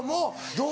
どう？